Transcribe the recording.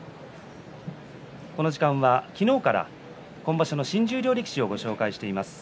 この時間は昨日から今場所の新十両力士をご紹介しています。